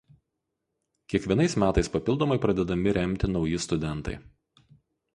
Kiekvienais metais papildomai pradedami remti nauji studentai.